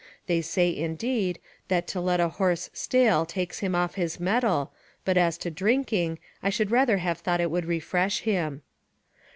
They say, indeed, that to let a horse stale takes him off his mettle, but as to drinking, I should rather have thought it would refresh him.